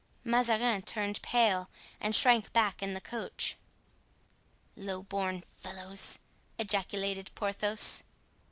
Mazarin turned pale and shrank back in the coach. "Low born fellows!" ejaculated Porthos.